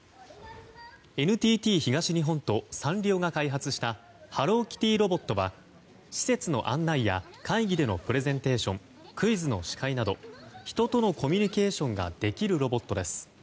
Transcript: ＮＴＴ東日本とサンリオが開発したハローキティロボットは施設の案内や会議でのプレゼンテーションクイズの司会など、人とのコミュニケーションができるロボットです。